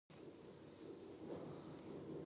که علم په پښتو وي، نو پوهه تل د رڼا بدلوي.